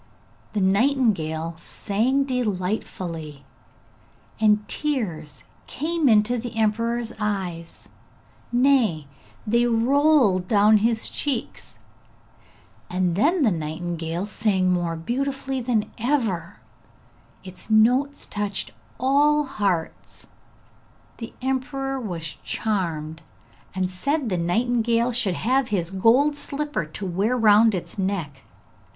The nightingale sang delightfully, and the tears came into the emperor's eyes, nay, they rolled down his cheeks; and then the nightingale sang more beautifully than ever, its notes touched all hearts. The emperor was charmed, and said the nightingale should have his gold slipper to wear round its neck.